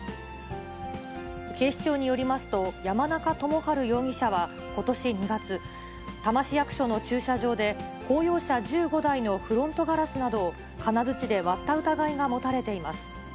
警視庁によりますと、山中共治容疑者はことし２月、多摩市役所の駐車場で、公用車１５台のフロントガラスなどを金づちで割った疑いが持たれています。